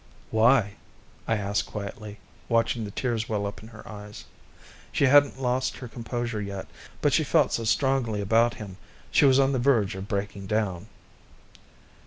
"Why?" I asked quietly, watching the tears well up in her eyes. She hadn't lost her composure yet, but she felt so strongly about him she was on the verge of breaking down.